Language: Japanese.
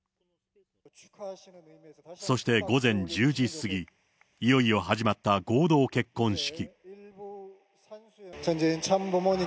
そして午前１０時過ぎ、いよいよ始まった合同結婚式。